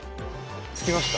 着きました。